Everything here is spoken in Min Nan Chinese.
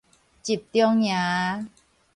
集中營